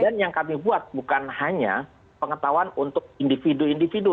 dan yang kami buat bukan hanya pengetahuan untuk individu individu